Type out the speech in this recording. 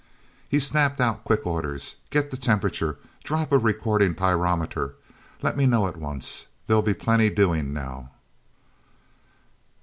He snapped out quick orders. "Get the temperature. Drop a recording pyrometer. Let me know at once. There'll be plenty doing now!"